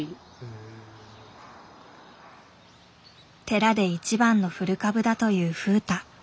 寺で一番の古株だという風太。